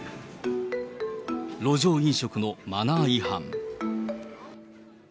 路上飲食のマナー違反。